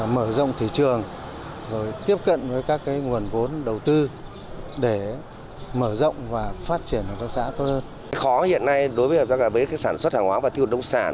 mở rộng thị trường tiếp cận các nguồn vốn đầu tư